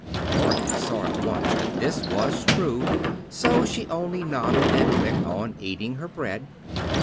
Dorothy saw at once that this was true, so she only nodded and went on eating her bread.